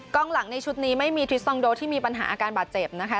หลังในชุดนี้ไม่มีทริสตองโดที่มีปัญหาอาการบาดเจ็บนะคะ